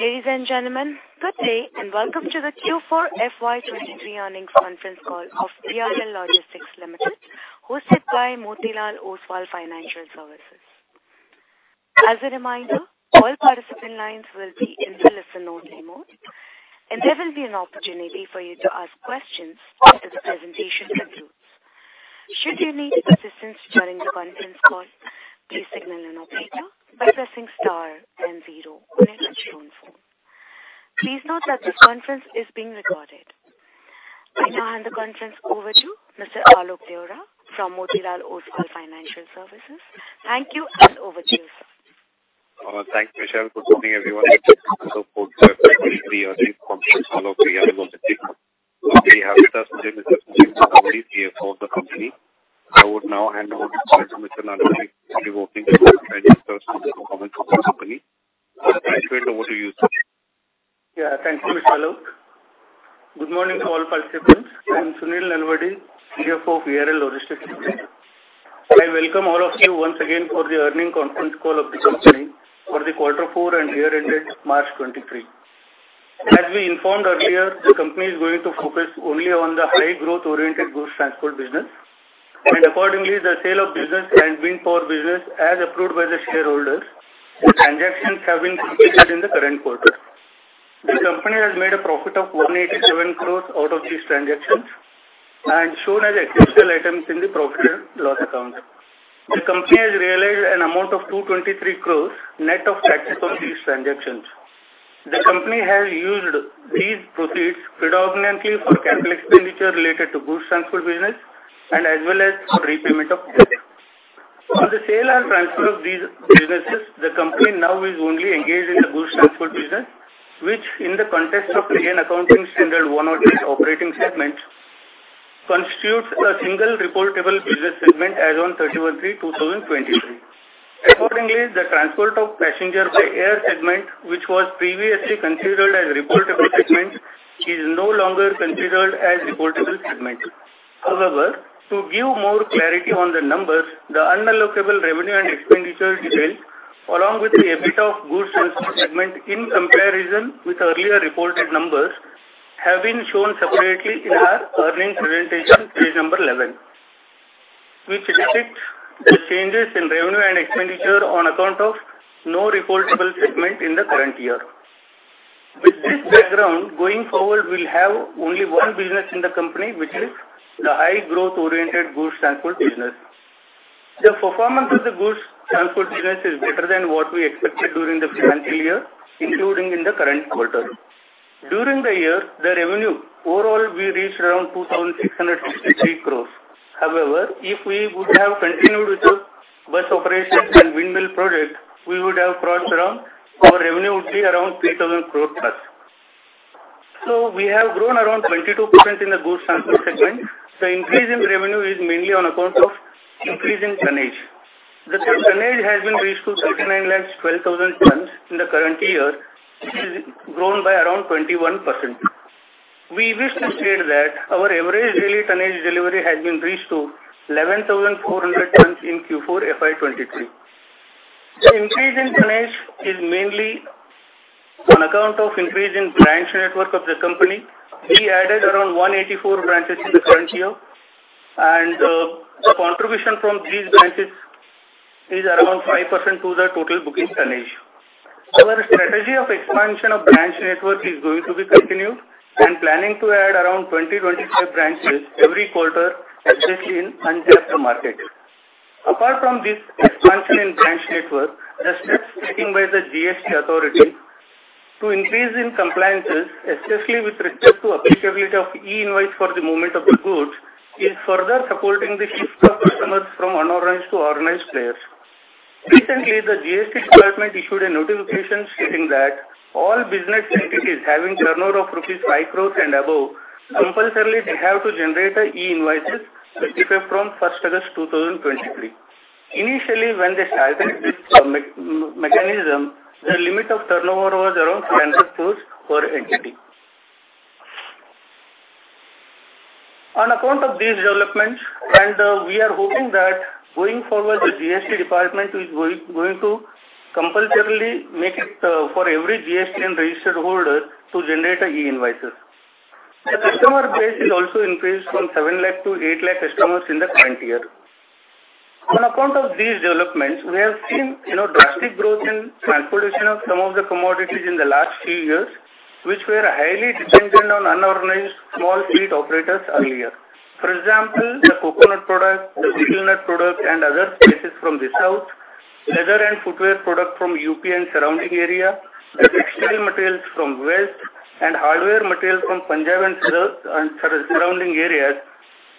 Ladies and gentlemen, good day and welcome to the Q4 FY 2023 Earnings Conference Call of VRL Logistics Limited, hosted by Motilal Oswal Financial Services. As a reminder, all participant lines will be in the listen-only mode, and there will be an opportunity for you to ask questions after the presentation concludes. Should you need assistance during the conference call, please signal an operator by pressing star and zero on your touchtone phone. Please note that this conference is being recorded. I now hand the conference over to Mr. Alok Deora from Motilal Oswal Financial Services. Thank you, and over to you, sir. Thanks, Michelle. Good morning, everyone. I support the earnings conference call of VRL Logistics Limited. We have with us today Mr. Sunil Nalavadi, CFO of the company. I would now hand over to Mr. Nalavadi regarding the earnings conference call of the company. I'll hand over to you, sir. Yeah, thank you, Mr. Alok. Good morning to all participants. I'm Sunil Nalavadi, CFO of VRL Logistics Limited. I welcome all of you once again for the earnings conference call of the company for the quarter four and year-ended March 2023. As we informed earlier, the company is going to focus only on the high-growth-oriented goods transport business, and accordingly, the sale of bus business and wind power business as approved by the shareholders, the transactions have been completed in the current quarter. The company has made a profit of 187 crore out of these transactions and shown as exceptional items in the profit and loss accounts. The company has realized an amount of 223 crore net of taxes on these transactions. The company has used these proceeds predominantly for capital expenditure related to goods transport business and as well as for repayment of debt. On the sale and transfer of these businesses, the company now is only engaged in the goods transport business, which in the context of the AS 108 operating segment constitutes a single reportable business segment as of March 31, 2023. Accordingly, the transport of passenger by air segment, which was previously considered as a reportable segment, is no longer considered as a reportable segment. However, to give more clarity on the numbers, the unallocable revenue and expenditure details, along with the EBITDA of goods transport segment in comparison with earlier reported numbers, have been shown separately in our earnings presentation, page 11, which depicts the changes in revenue and expenditure on account of no reportable segment in the current year. With this background, going forward, we'll have only one business in the company, which is the high-growth-oriented goods transport business. The performance of the goods transport business is better than what we expected during the financial year, including in the current quarter. During the year, the revenue overall we reached around 2,663 crore. However, if we would have continued with the bus operations and windmill project, we would have crossed around our revenue would be around 3,000 crore plus. So we have grown around 22% in the goods transport segment. The increase in revenue is mainly on account of increasing tonnage. The tonnage has been reached to 3,912,000 tons in the current year, which is grown by around 21%. We wish to state that our average daily tonnage delivery has been reached to 11,400 tons in Q4 FY 2023. The increase in tonnage is mainly on account of increase in branch network of the company. We added around 184 branches in the current year, and the contribution from these branches is around 5% to the total booking tonnage. Our strategy of expansion of branch network is going to be continued and planning to add around 20-25 branches every quarter, especially in untapped markets. Apart from this expansion in branch network, the steps taken by the GST authority to increase in compliances, especially with respect to applicability of E-invoice for the movement of the goods, is further supporting the shift of customers from unorganized to organized players. Recently, the GST department issued a notification stating that all business entities having turnover of rupees 5 crore and above compulsorily have to generate E-invoices as effective from 1st August 2023. Initially, when they started this mechanism, the limit of turnover was around 70 crore per entity. On account of these developments, we are hoping that going forward, the GST department is going to compulsorily make it for every GST registered holder to generate e-invoices. The customer base is also increased from 700,000-800,000 customers in the current year. On account of these developments, we have seen drastic growth in transportation of some of the commodities in the last few years, which were highly dependent on unorganized small fleet operators earlier. For example, the coconut product, the areca nut product, and other spices from the south, leather and footwear product from UP and surrounding area, the textile materials from the west, and hardware materials from Punjab and surrounding areas,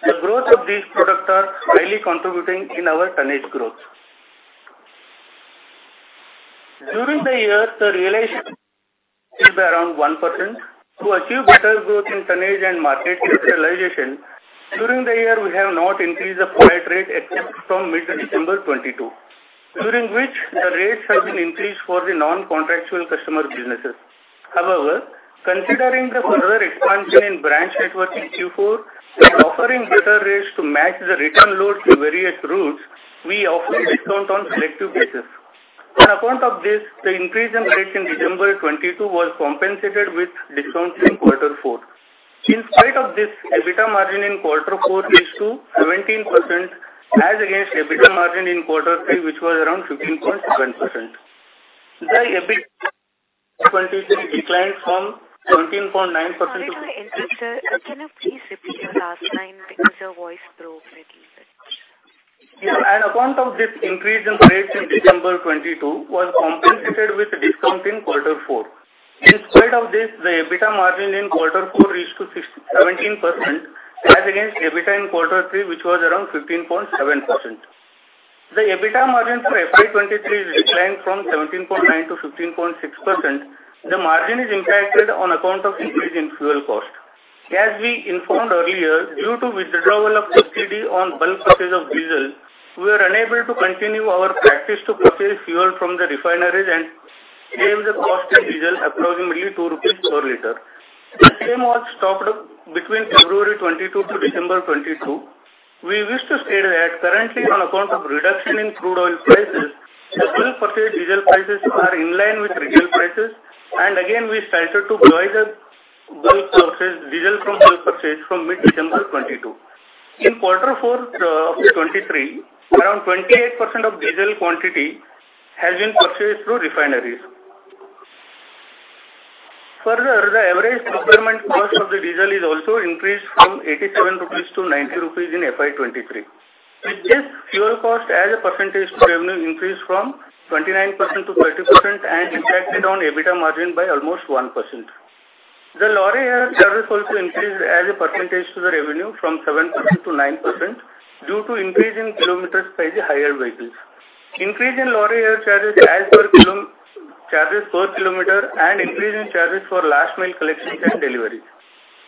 the growth of these products is highly contributing to our tonnage growth. During the year, the realization will be around 1%. To achieve better growth in tonnage and market capitalization, during the year, we have not increased the freight rate except from mid-December 2022, during which the rates have been increased for the non-contractual customer businesses. However, considering the further expansion in branch network in Q4 and offering better rates to match the return load to various routes, we offer discount on selective basis. On account of this, the increase in rates in December 2022 was compensated with discounts in quarter four. In spite of this, EBITDA margin in quarter four reached to 17% as against EBITDA margin in quarter three, which was around 15.7%. The EBITDA in 2023 declined from 17.9% to. Sorry, Sir, can you please repeat your last line because your voice broke a little bit? Yeah. On account of this, increase in rates in December 2022 was compensated with discount in quarter four. In spite of this, the EBITDA margin in quarter four reached to 17% as against EBITDA in quarter three, which was around 15.7%. The EBITDA margin for FY 2023 declined from 17.9% to 15.6%. The margin is impacted on account of increase in fuel cost. As we informed earlier, due to withdrawal of subsidy on bulk purchase of diesel, we were unable to continue our practice to purchase fuel from the refineries and save the cost in diesel approximately 2 rupees per liter. The claim was stopped between February 2022 to December 2022. We wish to state that currently, on account of reduction in crude oil prices, the bulk purchase diesel prices are in line with retail prices, and again, we started to join the diesel from bulk purchase from mid-December 2022. In quarter four of 2023, around 28% of diesel quantity has been purchased through refineries. Further, the average procurement cost of the diesel is also increased from 87 rupees to 90 rupees in FY 2023. With this, fuel cost as a percentage to revenue increased from 29% to 30% and impacted on EBITDA margin by almost 1%. The lorry hire service also increased as a percentage to the revenue from 7% to 9% due to increase in kilometers by the hired vehicles. Increase in lorry hire charges as per kilometer and increase in charges for last-mile collections and deliveries.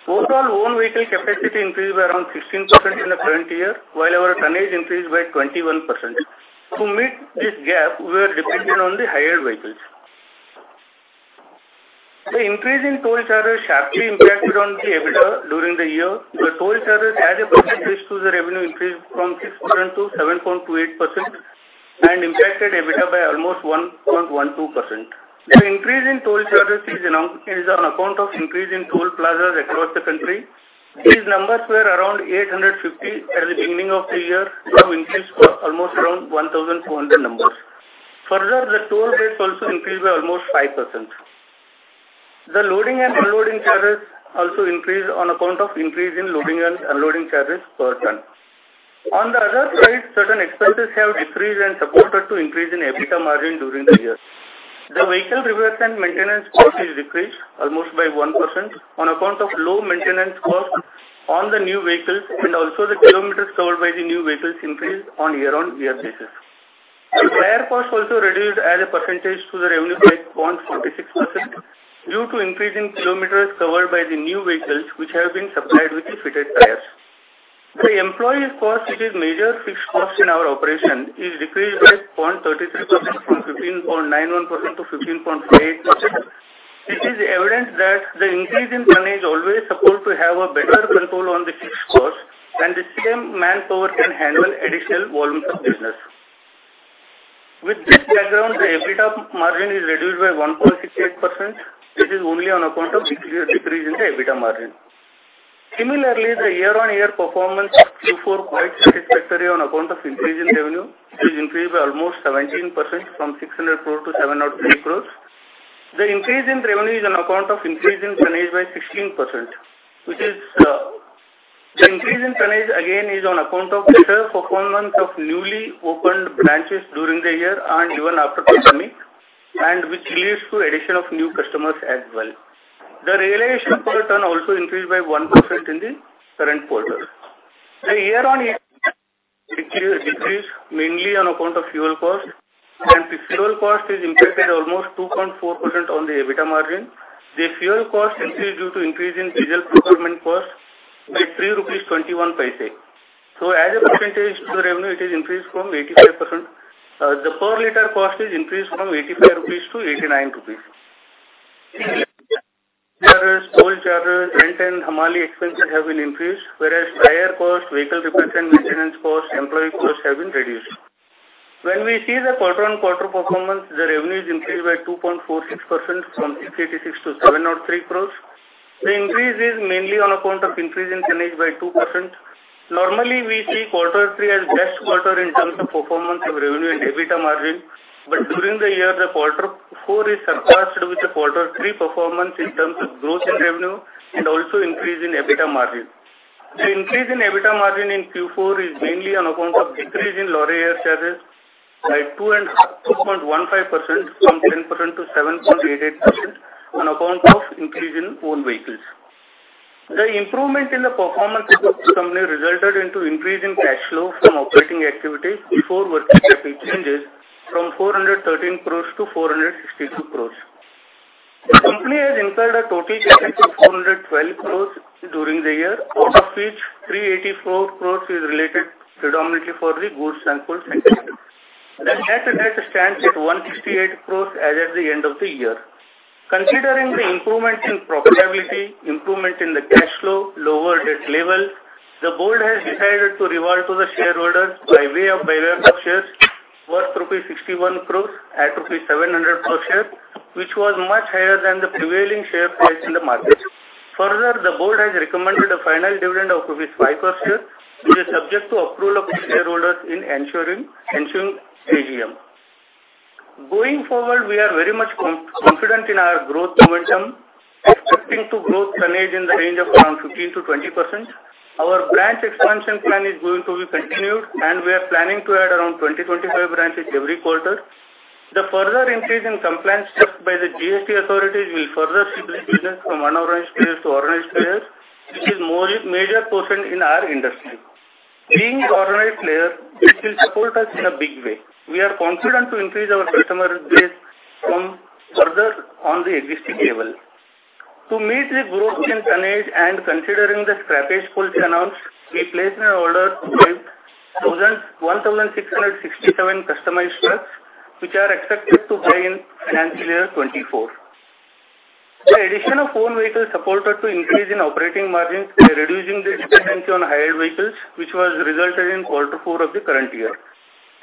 Overall, own vehicle capacity increased by around 16% in the current year, while our tonnage increased by 21%. To meet this gap, we were dependent on the hired vehicles. The increase in toll charges sharply impacted on the EBITDA during the year. The toll charges as a percentage to the revenue increased from 6% to 7.28% and impacted EBITDA by almost 1.12%. The increase in toll charges is on account of increase in toll plazas across the country. These numbers were around 850 at the beginning of the year, now increased to almost around 1,400 numbers. Further, the toll rates also increased by almost 5%. The loading and unloading charges also increased on account of increase in loading and unloading charges per ton. On the other side, certain expenses have decreased and supported to increase in EBITDA margin during the year. The vehicle repairs and maintenance costs decreased almost by 1% on account of low maintenance costs on the new vehicles, and also the kilometers covered by the new vehicles increased on year-on-year basis. The tire costs also reduced as a percentage to the revenue by 0.46% due to increase in kilometers covered by the new vehicles, which have been supplied with the fitted tires. The employee cost, which is a major fixed cost in our operation, is decreased by 0.33% from 15.91% to 15.48%. It is evident that the increase in tonnage always supports to have better control on the fixed costs, and the same manpower can handle additional volumes of business. With this background, the EBITDA margin is reduced by 1.68%. This is only on account of a decrease in the EBITDA margin. Similarly, the year-on-year performance of Q4 quite satisfactory on account of increase in revenue. It is increased by almost 17% from 600 crore to 703 crore. The increase in revenue is on account of increase in tonnage by 16%, which is the increase in tonnage, again, is on account of better performance of newly opened branches during the year and even after pandemic, and which leads to addition of new customers as well. The realization per ton also increased by 1% in the current quarter. The year-on-year decrease mainly on account of fuel cost, and the fuel cost is impacted almost 2.4% on the EBITDA margin. The fuel cost increased due to increase in diesel procurement costs by 3.21 rupees. So as a percentage to the revenue, it is increased from 85%. The per-liter cost is increased from 85-89 rupees. Toll charges, rent, and Hamali expenses have been increased, whereas tire costs, vehicle repairs and maintenance costs, employee costs have been reduced. When we see the quarter-on-quarter performance, the revenue is increased by 2.46% from 686 crores to 703 crores. The increase is mainly on account of increase in tonnage by 2%. Normally, we see quarter three as the best quarter in terms of performance of revenue and EBITDA margin, but during the year, the quarter four is surpassed with the quarter three performance in terms of growth in revenue and also increase in EBITDA margin. The increase in EBITDA margin in Q4 is mainly on account of decrease in lorry hire charges by 2.15% from 10% to 7.88% on account of increase in own vehicles. The improvement in the performance of the company resulted in increase in cash flow from operating activities before working capital changes from 413 crores to 462 crores. The company has incurred a total cash flow of 412 crore during the year, out of which 384 crore is related predominantly for the goods transport sector. The net debt stands at 168 crore as of the end of the year. Considering the improvement in profitability, improvement in the cash flow, and lower debt levels, the board has decided to return to the shareholders by way of buyback of shares worth 61 crore at 700 per share, which was much higher than the prevailing share price in the market. Further, the board has recommended a final dividend of INR 5 per share, which is subject to approval of the shareholders in ensuing AGM. Going forward, we are very much confident in our growth momentum, expecting to grow tonnage in the range of around 15%-20%. Our branch expansion plan is going to be continued, and we are planning to add around 20-25 branches every quarter. The further increase in compliance just by the GST authorities will further shift this business from unorganized players to organized players, which is a major portion in our industry. Being an organized player, this will support us in a big way. We are confident to increase our customer base further on the existing level. To meet the growth in tonnage and considering the Scrappage Policy announced, we placed an order to buy 1,667 customized trucks, which are expected to buy in financial year 2024. The addition of own vehicles supported to increase in operating margins by reducing the dependency on higher vehicles, which was resulted in quarter four of the current year.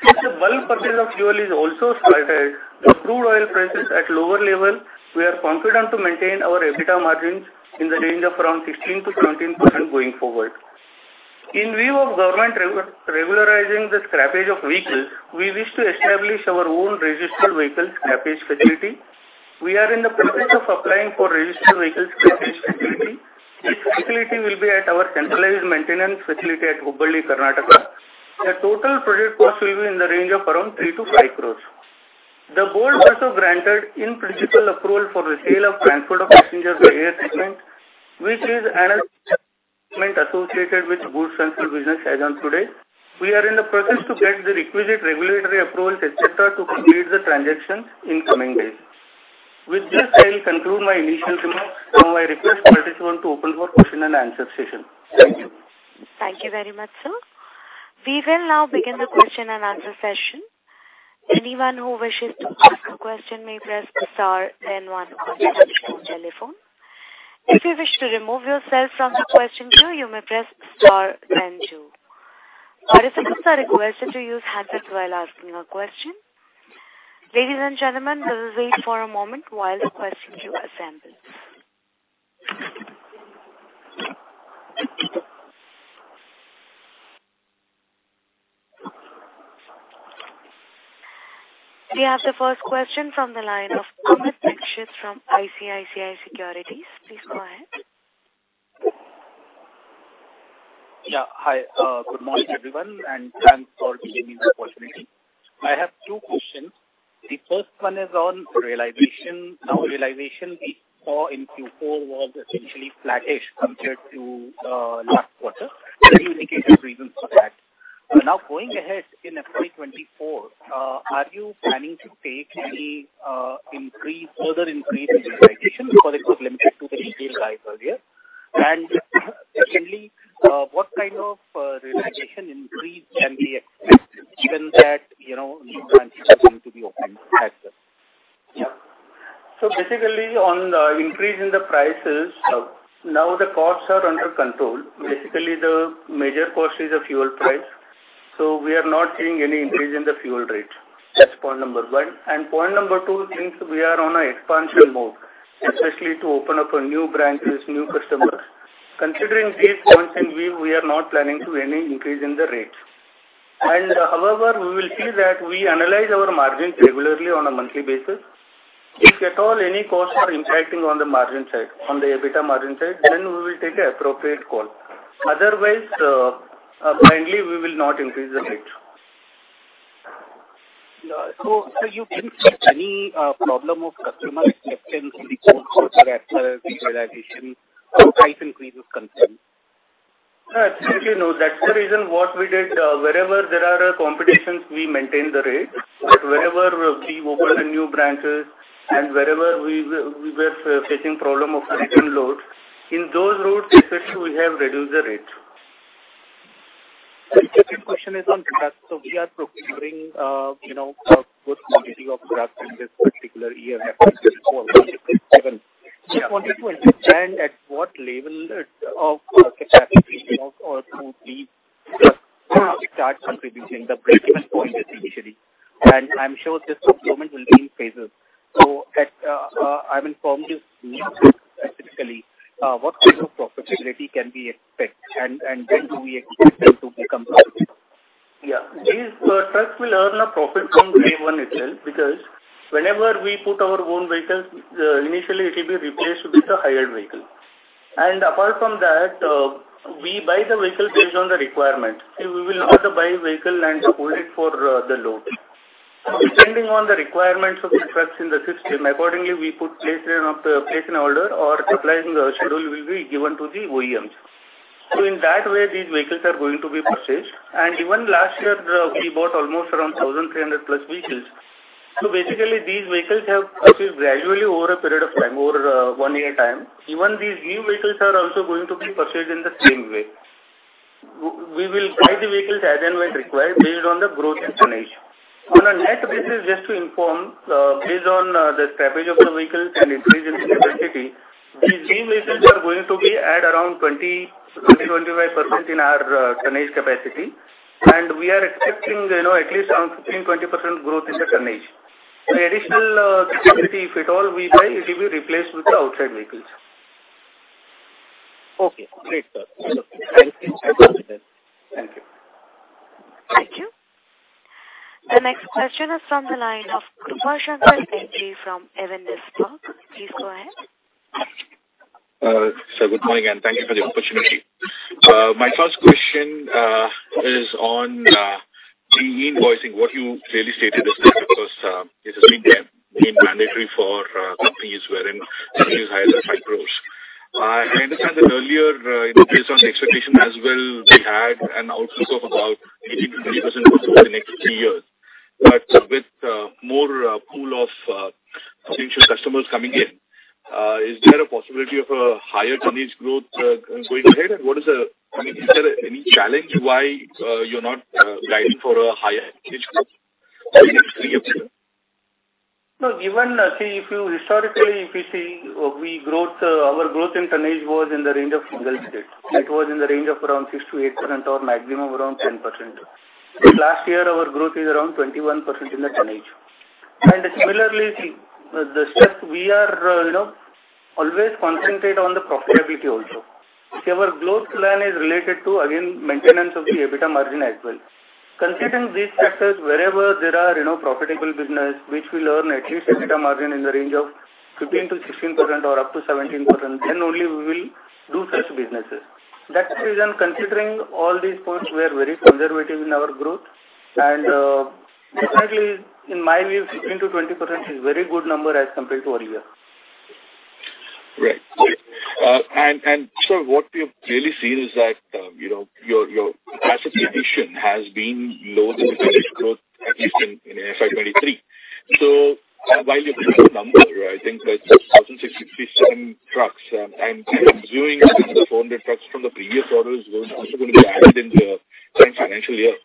Since the bulk purchase of fuel is also started, the crude oil prices are at a lower level. We are confident to maintain our EBITDA margins in the range of around 16%-17% going forward. In view of government regularizing the scrappage of vehicles, we wish to establish our own registered vehicle scrappage facility. We are in the process of applying for a registered vehicle scrappage facility. This facility will be at our centralized maintenance facility at Hubballi, Karnataka. The total project cost will be in the range of around 3 crore-5 crore. The board also granted in-principle approval for the sale of transport of passengers by air segment, which is an assessment associated with goods transport business as of today. We are in the process to get the requisite regulatory approvals, etc., to complete the transactions in the coming days. With this, I will conclude my initial remarks. Now, I request the participants to open for a question and answer session. Thank you. Thank you very much, sir. We will now begin the question and answer session. Anyone who wishes to ask a question may press star, then one, or touch the phone telephone. If you wish to remove yourself from the question queue, you may press star, then two. Participants are requested to use hands up while asking a question. Ladies and gentlemen, we will wait for a moment while the question queue assembles. We have the first question from the line of Amit Dixit from ICICI Securities. Please go ahead. Yeah. Hi. Good morning, everyone, and thanks for giving me the opportunity. I have two questions. The first one is on realization. Now, realization we saw in Q4 was essentially flattish compared to last quarter. Any indicative reasons for that? Now, going ahead in FY 2024, are you planning to take any further increase in realization? Because it was limited to the detailed guide earlier. And secondly, what kind of realization increase can be expected given that new branches are going to be opened as well? Yeah. So basically, on the increase in the prices, now the costs are under control. Basically, the major cost is the fuel price. So we are not seeing any increase in the fuel rate. That's point number one. Point number two, since we are on an expansion mode, especially to open up new branches, new customers, considering these points in view, we are not planning to do any increase in the rate. However, we will see that we analyze our margins regularly on a monthly basis. If at all any costs are impacting on the margin side, on the EBITDA margin side, then we will take an appropriate call. Otherwise, blindly, we will not increase the rate. So you didn't see any problem of customer acceptance in the course as far as the realization price increase is concerned? Actually, no. That's the reason what we did. Wherever there are competitions, we maintain the rate. But wherever we opened new branches and wherever we were facing problems of frequent loads, in those routes, especially, we have reduced the rate. The second question is on trucks. So we are procuring a good quantity of trucks in this particular year, FY 2024, given Q2020. And at what level of capacity or could these trucks start contributing? The breakeven point, essentially. And I'm sure this component will be in phases. So I'm informed to speak specifically what kind of profitability can we expect, and when do we expect them to become profitable? Yeah. These trucks will earn a profit from day one itself because whenever we put our own vehicles, initially, it will be replaced with a hired vehicle. Apart from that, we buy the vehicle based on the requirement. We will not buy a vehicle and hold it for the load. Depending on the requirements of the trucks in the system, accordingly, we put place in order or supplying schedule will be given to the OEMs. So in that way, these vehicles are going to be purchased. Even last year, we bought almost around 1,300+ vehicles. So basically, these vehicles have purchased gradually over a period of time, over one year time. Even these new vehicles are also going to be purchased in the same way. We will buy the vehicles as and when required based on the growth in tonnage. On a net basis, just to inform, based on the scrappage of the vehicles and increase in capacity, these new vehicles are going to be at around 20%-25% in our tonnage capacity. We are expecting at least around 15%-20% growth in the tonnage. The additional capacity, if at all we buy, it will be replaced with the outside vehicles. Okay. Great, sir. Thank you. I appreciate it. Thank you. Thank you. The next question is from the line of Krupashankar NJ from Avendus Spark. Please go ahead. Sir, good morning, and thank you for the opportunity. My first question is on the invoicing. What you clearly stated is because it has been mandatory for companies wherein values are higher than INR 5 crore. I understand that earlier, based on the expectation as well, we had an outlook of about 18%-20% growth over the next three years. But with more pool of potential customers coming in, is there a possibility of a higher tonnage growth going ahead, and what is the I mean, is there any challenge why you're not guiding for a higher tonnage growth for the next three years? No. See, historically, if we see our growth in tonnage was in the range of single digits. It was in the range of around 6%-8% or maximum around 10%. Last year, our growth is around 21% in the tonnage. And similarly, see, the steps we are always concentrated on the profitability also. See, our growth plan is related to, again, maintenance of the EBITDA margin as well. Considering these factors, wherever there are profitable businesses, which will earn at least EBITDA margin in the range of 15%-16% or up to 17%, then only we will do such businesses. That's the reason. Considering all these points, we are very conservative in our growth. And definitely, in my view, 15%-20% is a very good number as compared to earlier. Right. And sir, what we have clearly seen is that your capacity addition has been lower than the tonnage growth, at least in FY 2023. So while you're putting a number, I think that 1,657 trucks and I'm viewing 400 trucks from the previous orders also going to be added in the current financial year.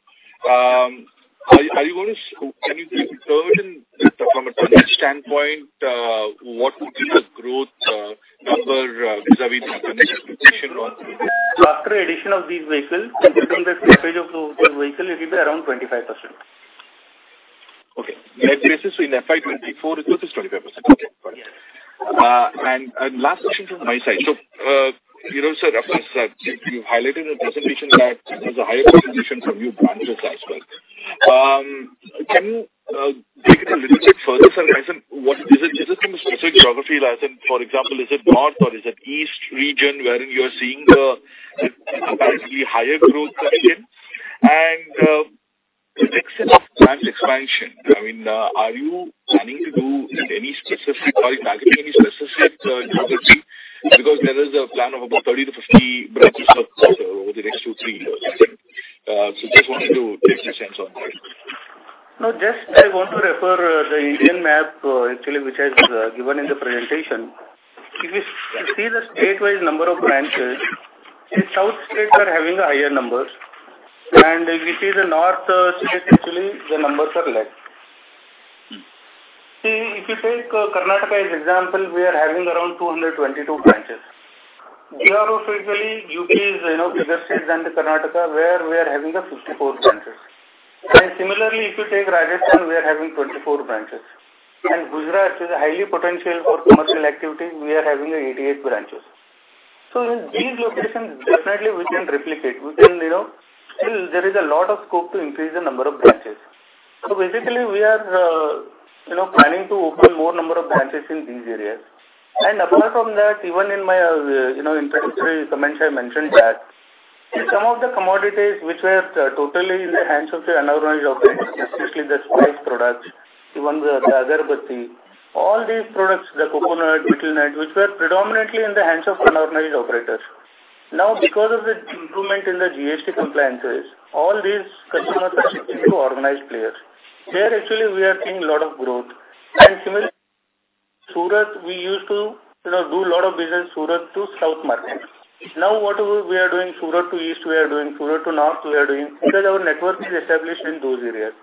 Are you going to? Can you tell us from a tonnage standpoint, what would be the growth number vis-à-vis the tonnage addition on. After addition of these vehicles, considering the scrappage of the vehicles, it will be around 25%. Okay. Net basis, so in FY 2024, it will be 25%. Okay. Got it. And last question from my side. So sir, you've highlighted in the presentation that there's a higher competition from new branches as well. Can you take it a little bit further, sir, as in what is it? Is it from a specific geography? As in, for example, is it north or is it east region wherein you are seeing the comparatively higher growth coming in? And the next step of branch expansion, I mean, are you planning to do any specific, are you targeting any specific geography? Because there is a plan of about 30-50 branches per quarter over the next two or three years, I think. So just wanted to take your sense on that. No, just I want to refer to the Indian map, actually, which has been given in the presentation. If you see the state-wise number of branches, see, south states are having higher numbers. If you see the north states, actually, the numbers are less. See, if you take Karnataka as an example, we are having around 222 branches. Uttar Pradesh is a bigger state than Karnataka, where we are having 54 branches. Similarly, if you take Rajasthan, we are having 24 branches. Gujarat, which is highly potential for commercial activity, we are having 88 branches. In these locations, definitely, we can replicate. Still, there is a lot of scope to increase the number of branches. Basically, we are planning to open more number of branches in these areas. Apart from that, even in my introductory comments, I mentioned that see, some of the commodities which were totally in the hands of the unorganized operators, especially the spice products, even the agarbatti, all these products, the coconut, betel nut, which were predominantly in the hands of unorganized operators. Now, because of the improvement in the GST compliances, all these customers are shifting to organized players. There, actually, we are seeing a lot of growth. Similarly, Surat, we used to do a lot of business in Surat to south market. Now, what we are doing in Surat to east, we are doing in Surat to north, we are doing because our network is established in those areas.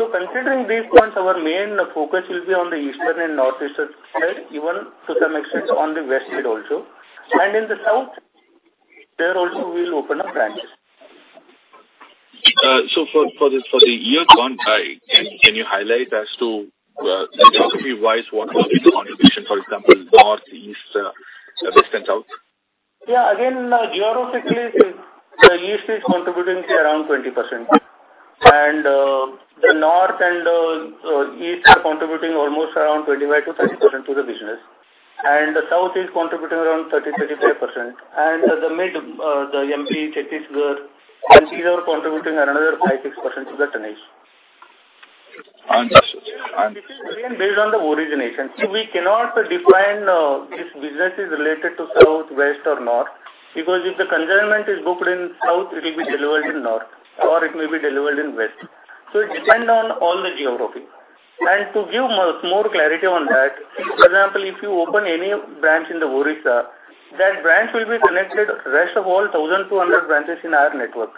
Considering these points, our main focus will be on the eastern and northeastern side, even to some extent on the west side also. In the south, there also, we will open up branches. For the year gone by, can you highlight as to geography-wise, what was the contribution, for example, north, east, west, and south? Yeah. Again, geographically, since the east is contributing around 20%, and the north and east are contributing almost around 25%-30% to the business. And the south is contributing around 30%-35%. And the MP, Chhattisgarh, and these are contributing another 5%-6% to the tonnage. I understand, sir. This is again based on the origination. See, we cannot define if business is related to south, west, or north because if the containment is booked in south, it will be delivered in north, or it may be delivered in west. So it depends on all the geography. To give more clarity on that, see, for example, if you open any branch in the Odisha, that branch will be connected to the rest of all 1,200 branches in our network.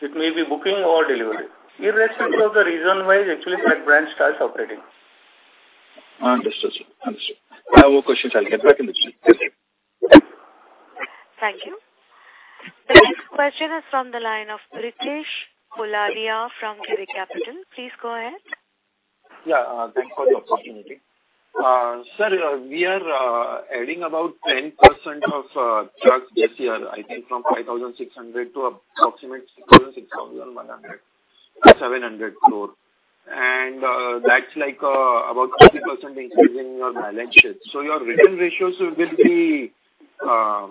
It may be booking or delivery, irrespective of the region-wise, actually, that branch starts operating. I understand, sir. I understand. I have more questions. I'll get back in a bit. Thank you. Thank you. The next question is from the line of Ritesh Poladia from Girik Capital. Please go ahead. Yeah. Thanks for the opportunity. Sir, we are adding about 10% of trucks this year, I think, from 5,600 to approximately 6,600 to 7,000 fleet. And that's about 50% increase in your balance sheet. So your return ratios will be a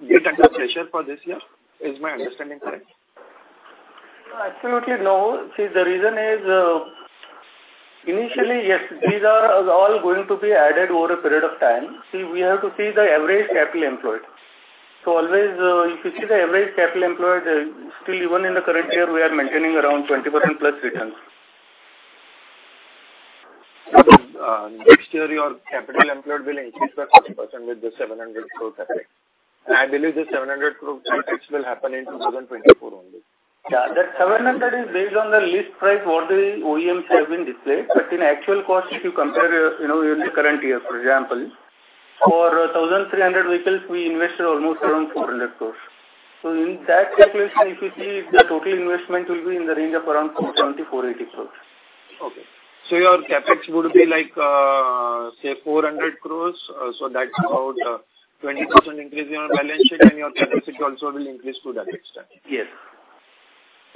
bit under pressure for this year, is my understanding correct? Absolutely, no. See, the reason is initially, yes, these are all going to be added over a period of time. See, we have to see the average capital employed. So always, if you see the average capital employed, still, even in the current year, we are maintaining around 20%+ returns. Next year, your capital employed will increase by 50% with the 700 floor capital. I believe the 700 floor CapEx will happen in 2024 only. Yeah. That 700 is based on the list price what the OEMs have been displayed. But in actual cost, if you compare in the current year, for example, for 1,300 vehicles, we invested almost around 400 crore. So in that calculation, if you see, the total investment will be in the range of around 470 crore-480 crore. Okay. So your CapEx would be like, say, 400 crore. So that's about a 20% increase in your balance sheet, and your capacity also will increase to that extent.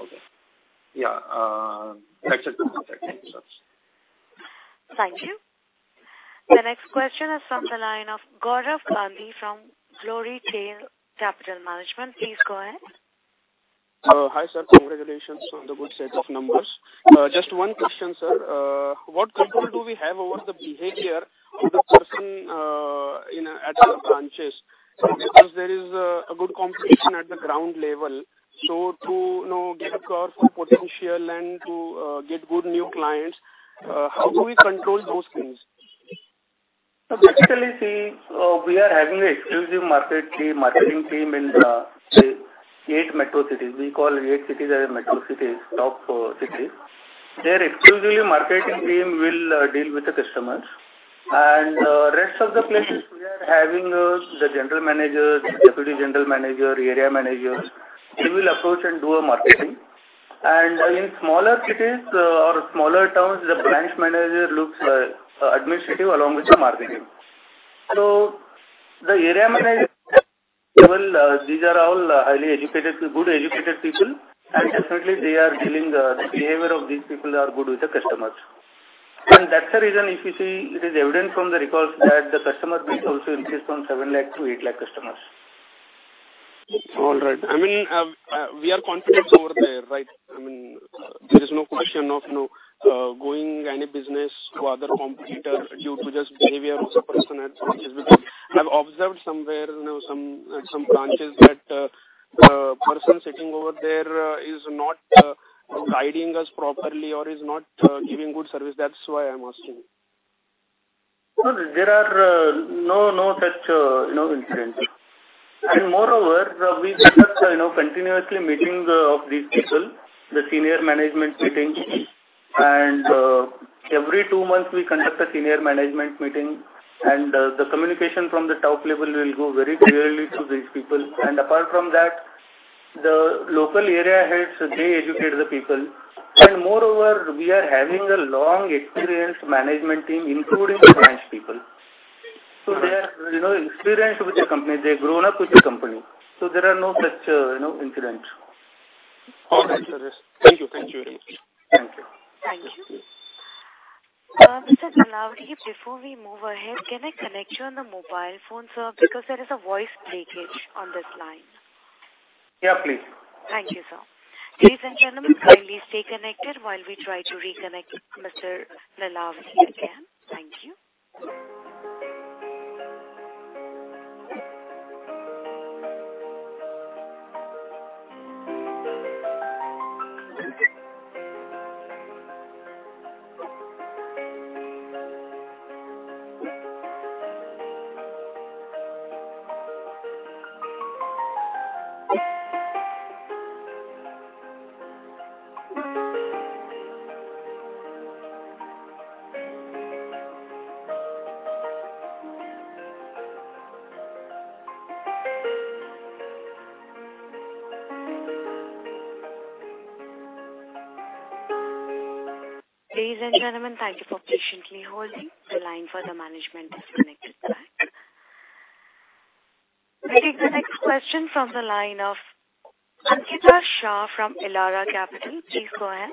Yes. Okay. Yeah. That's it for me, sir. Thank you. The next question is from the line of Gaurav Gandhi from Glorytail Capital Management. Please go ahead. Hi, sir. Congratulations on the good set of numbers. Just one question, sir. What control do we have over the behavior of the person at the branches? Because there is a good competition at the ground level. So to get core potential and to get good new clients, how do we control those things? So basically, see, we are having an exclusive marketing team in the eight metro cities. We call eight cities as metro cities, top cities. Their exclusive marketing team will deal with the customers. And the rest of the places, we are having the general managers, deputy general managers, area managers. They will approach and do marketing. And in smaller cities or smaller towns, the branch manager looks administrative along with the marketing. So the area managers, these are all highly educated, good educated people. Definitely, they are dealing the behavior of these people are good with the customers. That's the reason, if you see, it is evident from the recalls that the customer base also increased from 7 Lakh to 8 Lakh customers. All right. I mean, we are confident over there, right? I mean, there is no question of going any business to other competitor due to just behavior of the person, at which is because I've observed somewhere at some branches that the person sitting over there is not guiding us properly or is not giving good service. That's why I'm asking. No, there are no such incidents. Moreover, we conduct continuously meetings of these people, the senior management meetings. Every two months, we conduct a senior management meeting. The communication from the top level will go very clearly to these people. Apart from that, the local area heads, they educate the people. Moreover, we are having a long-experienced management team, including the branch people. They are experienced with the company. They've grown up with the company. There are no such incidents. All right, sir. Yes. Thank you. Thank you very much. Thank you. Thank you. Mr. Nalavadi, before we move ahead, can I connect you on the mobile phone, sir? Because there is a voice breakage on this line. Yeah, please. Thank you, sir. Ladies and gentlemen, kindly stay connected while we try to reconnect Mr. Nalavadi again. Thank you. Ladies and gentlemen, thank you for patiently holding. The line for the management is connected back. We take the next question from the line of Ankita Shah from Elara Capital. Please go ahead.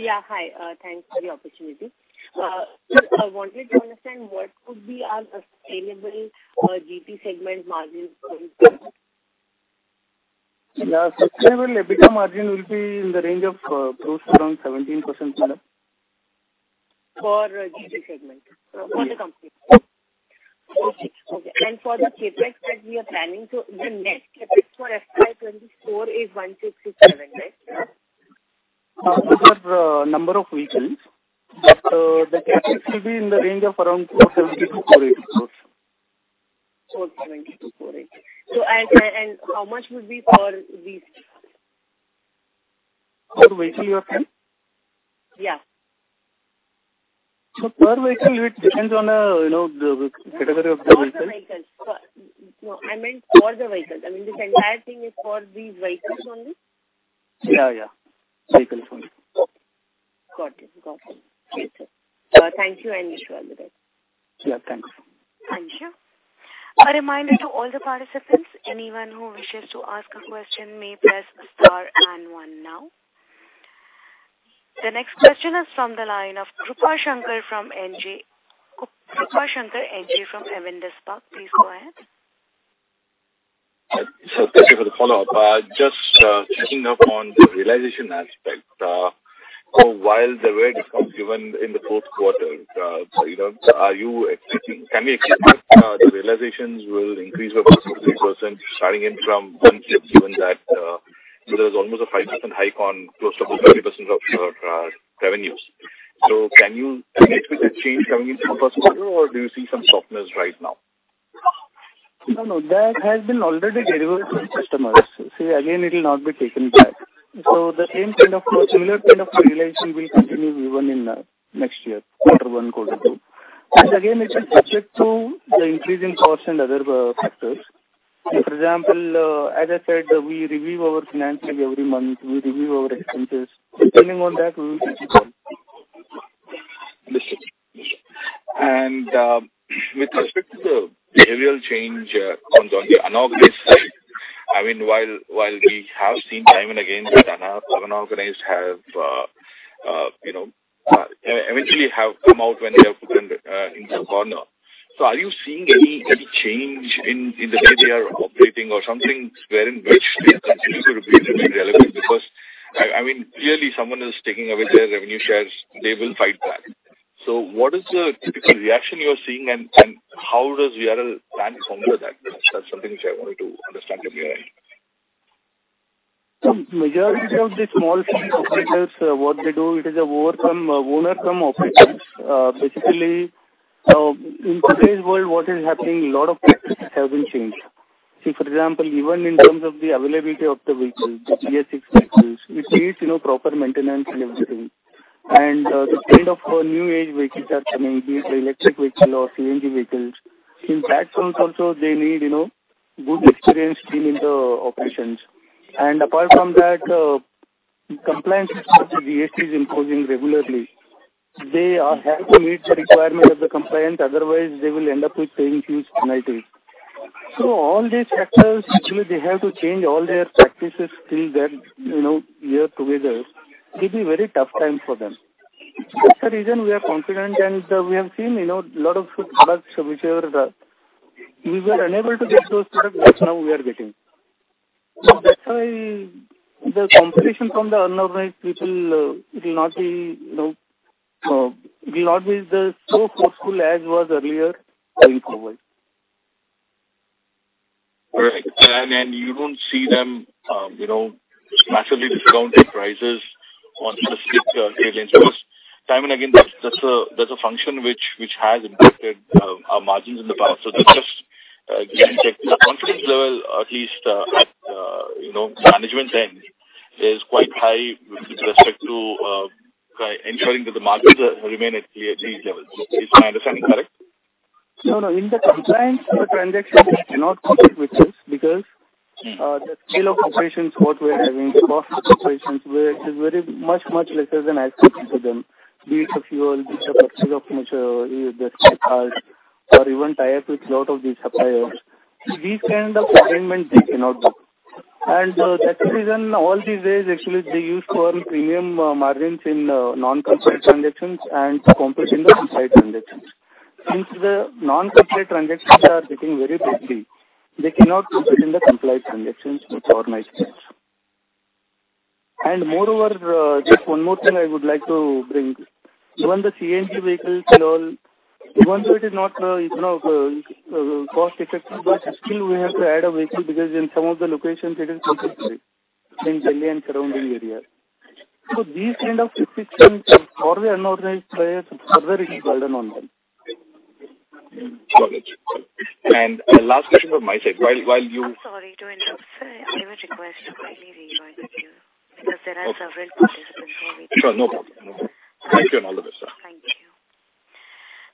Yeah. Hi. Thanks for the opportunity. I wanted to understand what would be our sustainable GT segment margin going forward? Sustainable EBITDA margin will be in the range of close to around 17%, sir. For GT segment, for the company? Okay. And for the CapEx that we are planning, so the net CapEx for FY 2024 is INR 1,667, right? For number of vehicles, the CapEx will be in the range of around INR 470-480 crores. 470-480. How much would be for these? For vehicle, you are saying? Yeah. Per vehicle, it depends on the category of the vehicles? For all vehicles. No, I meant for the vehicles. I mean, this entire thing is for these vehicles only? Yeah, yeah. Vehicles only. Got it. Got it. Okay, sir. Thank you, Anish, for all the details. Yeah. Thanks. Anisha, a reminder to all the participants, anyone who wishes to ask a question may press star and one now. The next question is from the line of Krupashankar NJ from Avendus Spark. Please go ahead. Sir, thank you for the follow-up. Just checking up on the realization aspect. So while the rate is not given in the fourth quarter, can we expect that the realizations will increase by 4%-3% starting in from one fifth, given that there is almost a 5% hike on close to about 30% of revenues? So can you expect that change coming in from the first quarter, or do you see some softness right now? No, no. That has been already delivered to the customers. See, again, it will not be taken back. So the same kind of similar kind of realization will continue even in next year, quarter one, quarter two. And again, it is subject to the increase in cost and other factors. For example, as I said, we review our finances every month. We review our expenses. Depending on that, we will keep it going. Understood. Understood. With respect to the behavioral change on the unorganized side, I mean, while we have seen time and again that unorganized eventually have come out when they are put in the corner, so are you seeing any change in the way they are operating or something wherein which they continue to remain relevant? Because, I mean, clearly, someone is taking away their revenue shares. They will fight back. So what is the typical reaction you are seeing, and how does VRL plan to counter that? That's something which I wanted to understand from your end. Majority of the small city operators, what they do, it is owner-cum-operators. Basically, in today's world, what is happening, a lot of practices have been changed. See, for example, even in terms of the availability of the vehicles, the BS-VI vehicles, it needs proper maintenance and everything. And the kind of new-age vehicles are coming, be it electric vehicles or CNG vehicles. In that sense, also, they need a good experienced team in the operations. And apart from that, compliance is what the GST is imposing regularly. They have to meet the requirement of the compliance. Otherwise, they will end up with paying huge penalties. So all these factors, actually, they have to change all their practices till that year together. It will be a very tough time for them. That's the reason we are confident. We have seen a lot of good products which we were unable to get those products, but now we are getting. That's why the competition from the unorganized people. It will not be so forceful as it was earlier going forward. All right. And you don't see them massively discounting prices on specific trade lanes because, time and again, that's a function which has impacted our margins in the past. So just giving you confidence level, at least at management end, is quite high with respect to ensuring that the markets remain at these levels. Is my understanding correct? No, no. In compliance, the transactions cannot compete with this because the scale of operations, what we are having, the cost of operations, is very much, much lesser than expected of them, be it the fuel, be it the purchase of the steel cars, or even tires with a lot of these suppliers. See, these kind of arrangements, they cannot book. And that's the reason all these days, actually, they used to earn premium margins in non-compliant transactions and compete in the compliant transactions. Since the non-compliant transactions are getting very bigger, they cannot compete in the compliant transactions with us. And moreover, just one more thing I would like to bring. Even the CNG vehicles still, even though it is not cost-effective, but still, we have to add a vehicle because in some of the locations, it is compulsory in Delhi and surrounding areas. These kind of restrictions for the unorganized players, further it will burden on them. Got it. Last question from my side. While you. Sorry to interrupt. I would request to quickly rejoin with you because there are several participants who we. Sure. No problem. No problem. Thank you, and all the best, sir. Thank you.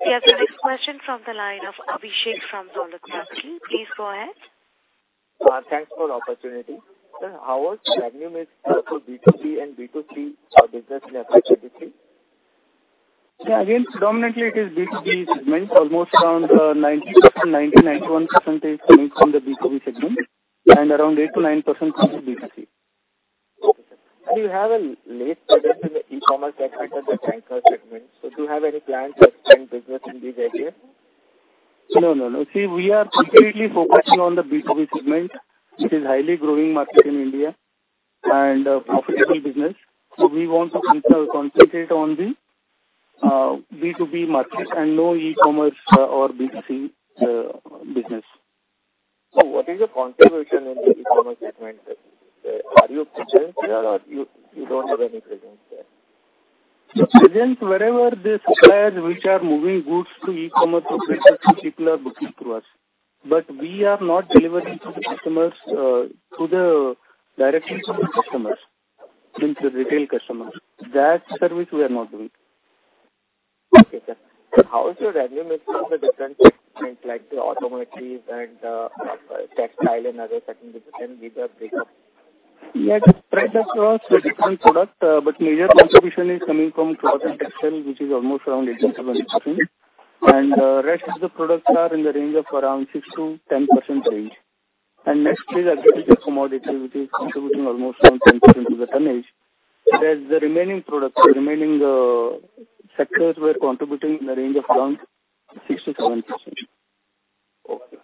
We have the next question from the line of Abhishek from Dolat Capital. Please go ahead. Thanks for the opportunity. Sir, how much revenue makes B2B and B2C business in the FY 2023? Yeah. Again, predominantly, it is B2B segment, almost around 90%, 90, 91% coming from the B2B segment and around 8%-9% from the B2C. You have an LTL product in the e-commerce segment and the tanker segment. So do you have any plans to expand business in these areas? No, no, no. See, we are completely focusing on the B2B segment, which is a highly growing market in India and a profitable business. So we want to concentrate on the B2B market and no e-commerce or B2C business. What is your contribution in the e-commerce segment? Are you present there, or you don't have any presence there? Presence wherever the suppliers which are moving goods to e-commerce operations particularly are booking through us. But we are not delivering to the customers directly to the customers, means the retail customers. That service, we are not doing. Okay, sir. How is your revenue mixed from the different segments like the automotives and textile and other secondary and leather breakup? Yeah. It's spread across the different products, but major contribution is coming from cloth and textile, which is almost around 8%-7%. And the rest of the products are in the range of around 6%-10% range. And next is agriculture commodities, which is contributing almost around 10% to the tonnage. There's the remaining products, the remaining sectors we're contributing in the range of around 6%-7%. Okay.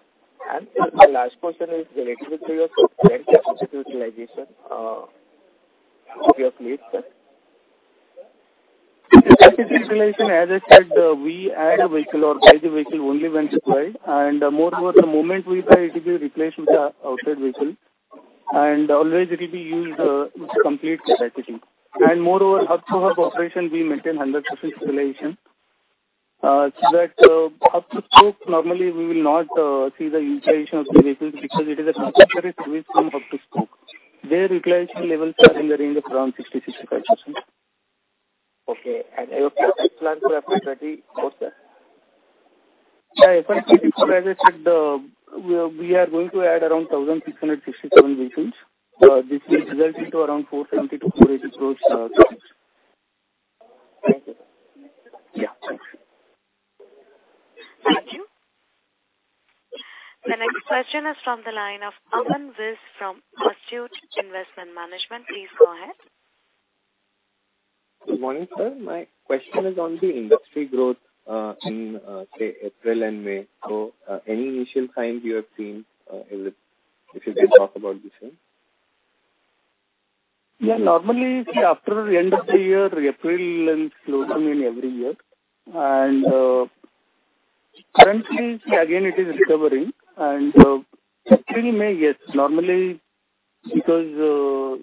And my last question is related to your current capacity utilization of your fleet, sir. Capacity utilization, as I said, we add a vehicle or buy the vehicle only when required. And moreover, the moment we buy, it will be replaced with an outside vehicle. And always, it will be used with complete capacity. And moreover, hub-to-hub operation, we maintain 100% utilization. So that hub-to-spoke, normally, we will not see the utilization of the vehicles because it is a compulsory service from hub-to-spoke. Their utilization levels are in the range of around 60%-65%. Okay. And your fleet explanatory FY 2024, sir? Yeah. FY 2024, as I said, we are going to add around 1,667 vehicles. This will result into around 470 crore-480 crore totals. Thank you, sir. Yeah. Thanks. Thank you. The next question is from the line of Aman Vij from Astute Investment Management. Please go ahead. Good morning, sir. My question is on the industry growth in, say, April and May. Any initial signs you have seen if you can talk about this thing? Yeah. Normally, see, after the end of the year, April is closing in every year. Currently, see, again, it is recovering. April, May, yes, normally, because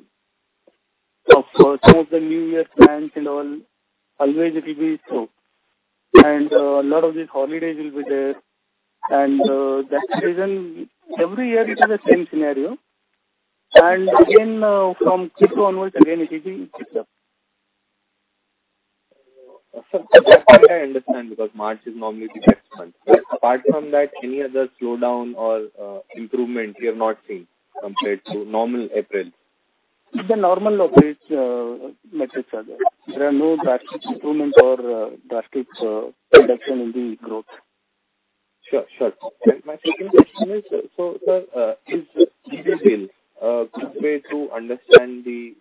of some of the new year plans and all, always, it will be slow. A lot of these holidays will be there. That's the reason every year, it is the same scenario. Again, from Q2 onwards, again, it will be picked up. Sir, that part I understand because March is normally the best month. Apart from that, any other slowdown or improvement you have not seen compared to normal April? The normal operations metrics are there. There are no drastic improvements or drastic reduction in the growth. Sure. Sure. My second question is, so, sir, is GDP a good way to understand the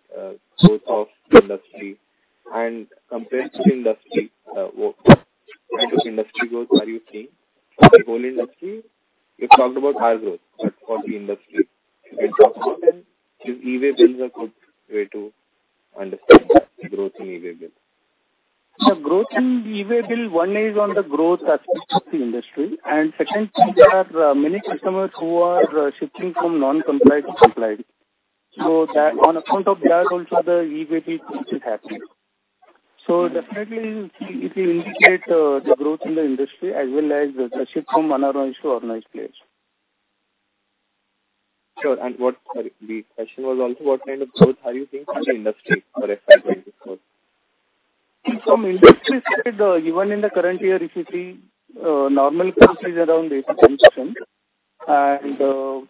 growth of industry? Compared to industry, what kind of industry growth are you seeing? For the whole industry, you've talked about our growth, but for the industry, can you talk about it? Is E-way bills a good way to understand the growth in E-way bills? The growth in the E-way bill, one is on the growth aspect of the industry. And second, these are many customers who are shifting from non-compliant to compliant. So on account of that, also, the E-way bill change is happening. So definitely, it will indicate the growth in the industry as well as the shift from unorganized to organized players. Sure. The question was also, what kind of growth are you seeing in the industry for FY 2024? From industry side, even in the current year, if you see, normal growth is around 8%-10%.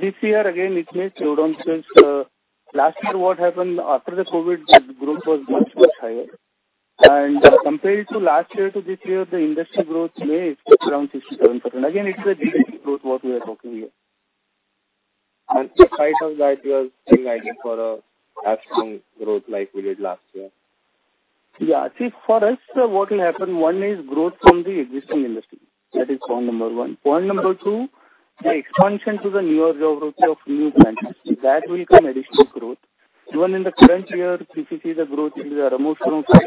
This year, again, it may slow down because last year, what happened after the COVID, the growth was much, much higher. Compared to last year to this year, the industry growth may be around 67%. Again, it's the GDP growth what we are talking here. Aside from that, you are still guiding for as strong growth like we did last year? Yeah. See, for us, what will happen, one is growth from the existing industry. That is point number one. Point number two, the expansion to the newer geography of new branches. That will come additional growth. Even in the current year, if you see the growth, it will be almost around 5%-6%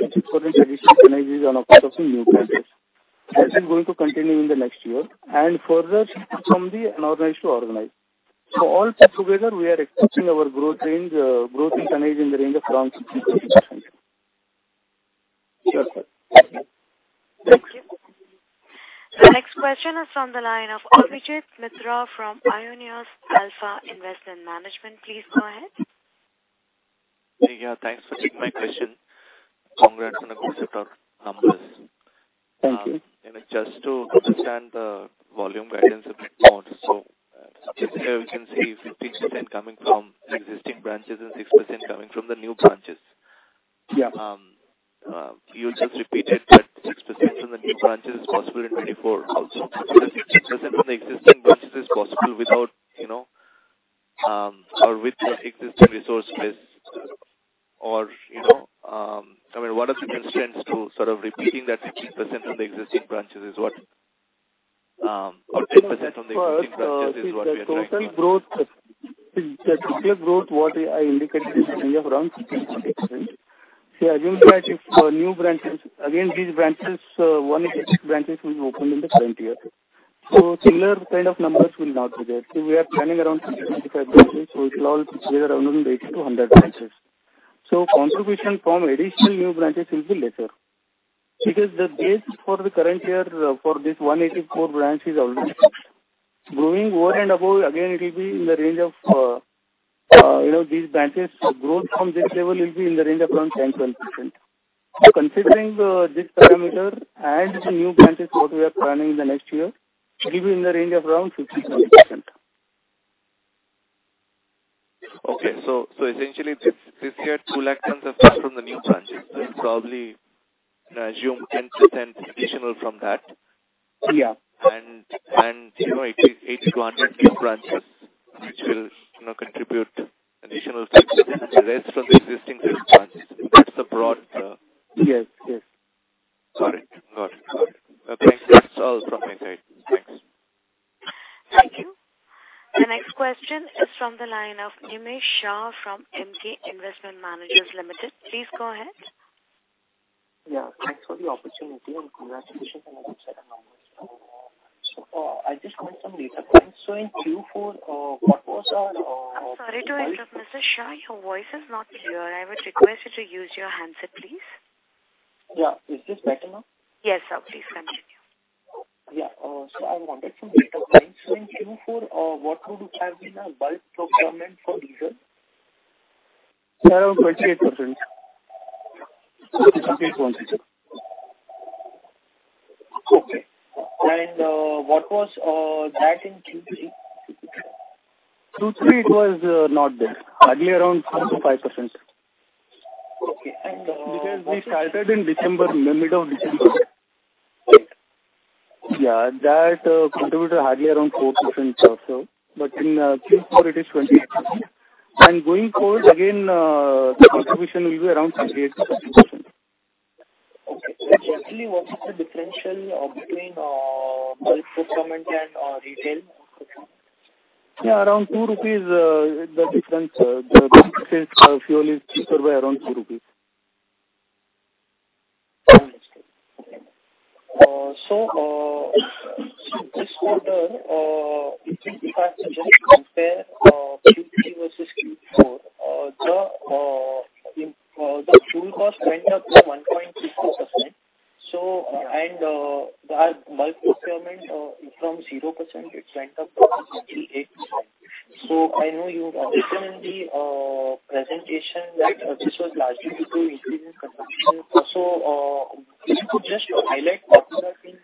additional tonnages on account of the new branches. That is going to continue in the next year. And further, shift from the unorganized to organized. So all put together, we are expecting our growth range in tonnage in the range of around 60%-80%. Sure, sir. Thanks. Thank you. The next question is from the line of Abhijit Mitra from Aionios Alpha Investment Management. Please go ahead. Hey, yeah. Thanks for taking my question. Congrats on a good set of numbers. Thank you. Just to understand the volume guidance a bit more, so we can see 15% coming from existing branches and 6% coming from the new branches. You just repeated that 6% from the new branches is possible in 2024 also. 6% from the existing branches is possible without or with the existing resource list. Or I mean, what are the constraints to sort of repeating that 15% from the existing branches is what or 10% from the existing branches is what we are trying to do? The cyclic growth, what I indicated, is in the range of around 60%-80%. See, I think that if new branches again, these branches, one of these branches will be opened in the current year. So similar kind of numbers will not be there. See, we are planning around 60-85 branches. So it will all be around 80-100 branches. So contribution from additional new branches will be lesser because the base for the current year for this 184 branch is already growing. Over and above, again, it will be in the range of these branches, growth from this level will be in the range of around 10%-11%. So considering this parameter and the new branches, what we are planning in the next year, it will be in the range of around 50%-70%. Okay. So essentially, this year, 200,000 tons are found from the new branches. So it's probably, I assume, 10% additional from that. And 80-100 new branches, which will contribute additional 10%, and the rest from the existing branches. That's the broad picture. Yes. Yes. Got it. Got it. Got it. Okay. That's all from my side. Thanks. Thank you. The next question is from the line of Nemish Shah from Emkay Investment Managers Limited. Please go ahead. Yeah. Thanks for the opportunity and congratulations on the website and numbers. I just want some data. In Q4, what was our? I'm sorry to interrupt, Mr. Shah. Your voice is not clear. I would request you to use your handset, please. Yeah. Is this better now? Yes, sir. Please continue. Yeah. I wanted some data. In Q4, what would have been a bulk procurement for diesel? Around 28%. 28%. Okay. And what was that in Q3? Q3, it was not there, hardly around 4%-5%. Because we started in mid of December. Yeah. That contributed hardly around 4% also. But in Q4, it is 28%. Going forward, again, the contribution will be around 28%-30%. Okay. So generally, what is the differential between bulk procurement and retail? Yeah. Around 2 rupees the difference. The fuel is cheaper by around 2 rupees. I understand. Okay. So this quarter, if I just compare Q3 versus Q4, the fuel cost went up by 1.50%. And our bulk procurement from 0%, it went up to 68%. So I know you mentioned in the presentation that this was largely due to increase in consumption. So just to highlight, what is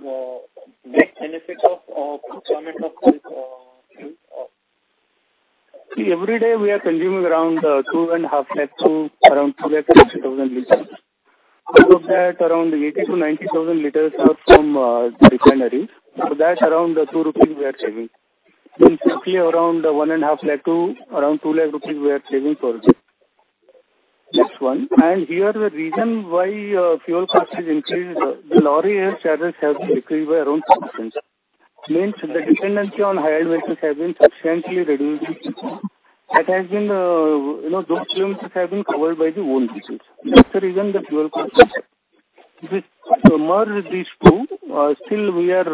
the net benefit of procurement of fuel? See, every day, we are consuming around 2.5 to around 260,000 liters. Out of that, around 80,000 to 90,000 liters are from the refineries. So that's around 2 rupees we are saving. In Q3, around 1.5 to around 2 rupees we are saving for this. That's one. Here, the reason why fuel cost is increased, the lorry hire charges have decreased by around 2%. Means the dependency on high-end vehicles has been substantially reduced. That has been those kilometers have been covered by the own vehicles. That's the reason the fuel cost is there. If we merge these two, still, we are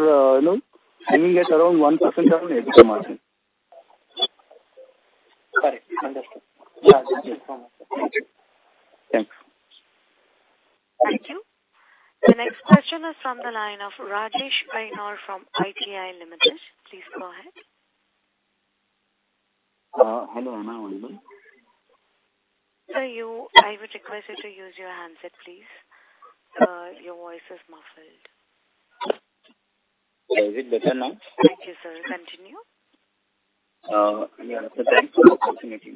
saving at around 1% around 80 per margin. Correct. Understood. Yeah. Thank you so much, sir. Thank you. Thank you. The next question is from the line of Rajesh Rai from ITI Limited. Please go ahead. Hello, am I audible? Sir, I would request you to use your handset, please. Your voice is muffled. Is it better now? Thank you, sir. Continue. Yeah. Thanks for the opportunity.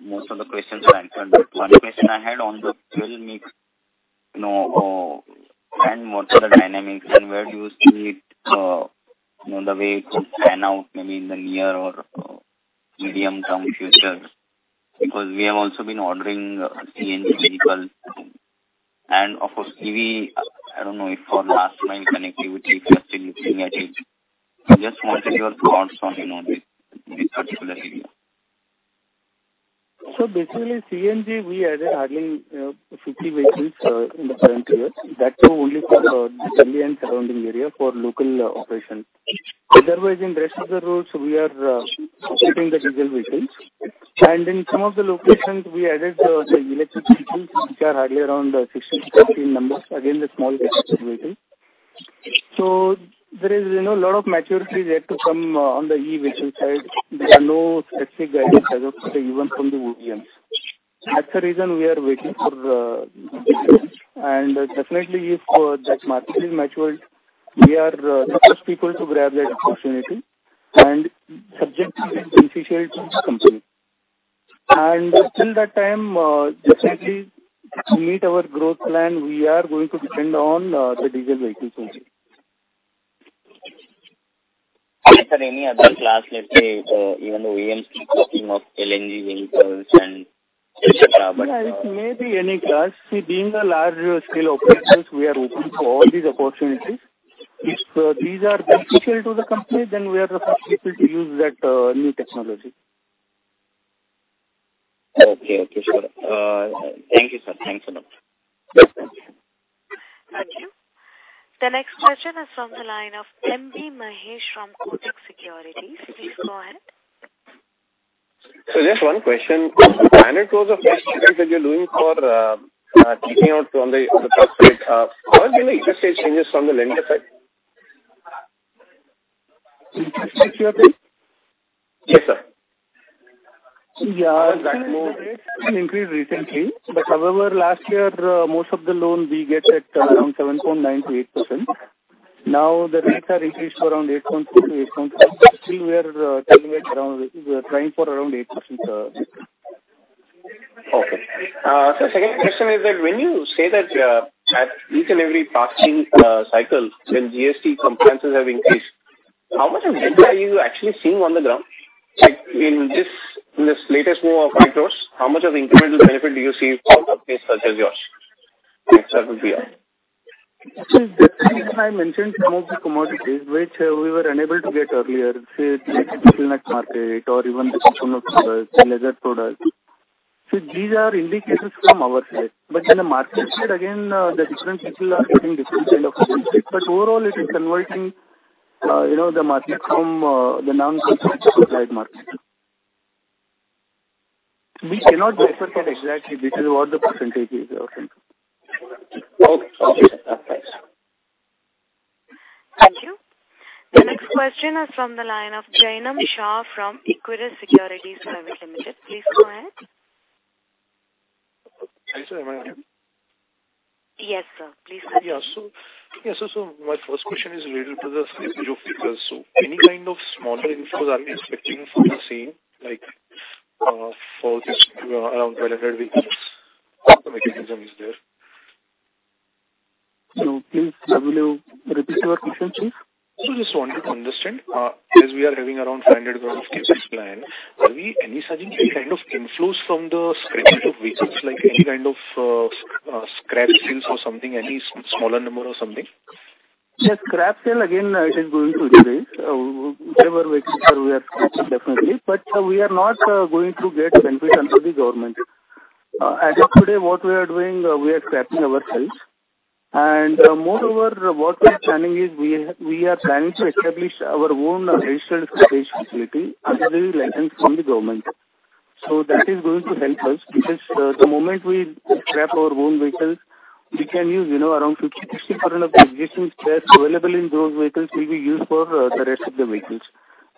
Most of the questions were answered. But one question I had on the fuel mix and what are the dynamics and where do you see it the way it will pan out maybe in the near or medium-term future? Because we have also been ordering CNG vehicles. And of course, EV, I don't know if for last-mile connectivity, if you are still looking at it. I just wanted your thoughts on this particular area. So basically, CNG, we added hardly 50 vehicles in the current year. That's only for Delhi and surrounding area for local operations. Otherwise, in the rest of the roads, we are keeping the diesel vehicles. And in some of the locations, we added the electric vehicles, which are hardly around 60 to 15 numbers. Again, the small electric vehicles. So there is a lot of maturity yet to come on the EV vehicle side. There are no specific guidance as of today, even from the OEMs. That's the reason we are waiting for diesel. And definitely, if that market is matured, we are the first people to grab that opportunity and subject it as beneficial to the company. And till that time, definitely, to meet our growth plan, we are going to depend on the diesel vehicles only. Sir, any other class, let's say, even the OEMs keep talking of LNG vehicles and etc., but. Yeah. It may be any class. See, being a large-scale operator, we are open to all these opportunities. If these are beneficial to the company, then we are the first people to use that new technology. Okay. Okay, sir. Thank you, sir. Thanks a lot. Yes. Thanks. Thank you. The next question is from the line of M.B. Mahesh from Kotak Securities. Please go ahead. Just one question. Standard growth of SCVs that you're doing for checking out on the price side, what have been the interest rate changes from the lender side? Interest rate changes? Yes, sir. Yeah. Increased recently. But however, last year, most of the loan, we get at around 7.9%-8%. Now, the rates are increased to around 8.3%-8.5%. Still, we are trying for around 8%. Okay. Sir, second question is that when you say that at each and every pasting cycle, when GST compliances have increased, how much of this are you actually seeing on the ground? In this latest move of IQROS, how much of incremental benefit do you see from companies such as yours? That would be all. See, the thing I mentioned, some of the commodities which we were unable to get earlier, see, like the chicken neck market or even the coconut products, the leather products. See, these are indicators from our side. But in the market side, again, the different people are getting different kind of benefits. But overall, it is converting the market from the non-compliant to compliant market. We cannot differentiate exactly because what the percentage is or something. Okay. Okay, sir. That's fine. Thank you. The next question is from the line of Jainam Shah from Equirus Securities Private Limited. Please go ahead. Hi, sir. Am I on you? Yes, sir. Please answer. Yeah. So my first question is related to the sale of old vehicles. So any kind of smaller inflows are we expecting from the same for this around 1,200 vehicles? What's the mechanism? Is there? Please, will you repeat your question, please? So I just wanted to understand, as we are having around 500 crore CapEx plan, are there any such kind of inflows from the scrappage of vehicles, like any kind of scrap sales or something, any smaller number or something? Yeah. Scrap sale, again, is going to increase. Whatever vehicles we are scrapping, definitely. But we are not going to get benefit under the government. As of today, what we are doing, we are scrapping ourselves. And moreover, what we are planning is we are planning to establish our own additional scrappage facility under license from the government. So that is going to help us because the moment we scrap our own vehicles, we can use around 50%-60% of the existing spares available in those vehicles will be used for the rest of the vehicles,